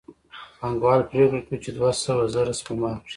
پانګوال پرېکړه کوي چې دوه سوه زره سپما کړي